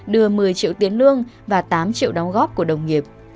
đưa một mươi triệu tiền lương và tám triệu đóng góp của đồng nghiệp